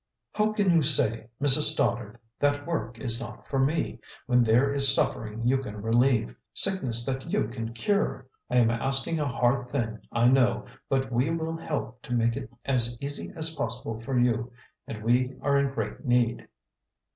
"How can yon say, Mrs. Stoddard, 'that work is not for me,' when there is suffering you can relieve, sickness that you can cure? I am asking a hard thing, I know; but we will help to make it as easy as possible for you, and we are in great need."